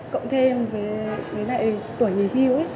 cộng thêm với lại tuổi nghỉ hưu